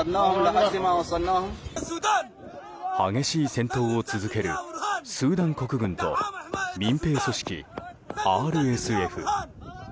激しい戦闘を続けるスーダン国軍と民兵組織ＲＳＦ。